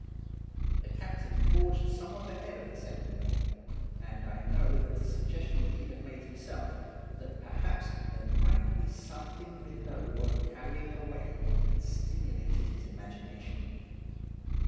"The captain forged somewhat ahead of the second mate; and I know that the suggestion he had made himself, that perhaps there might be something below worth carrying away, had stimulated his imagination.